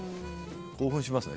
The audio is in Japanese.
興奮しますね。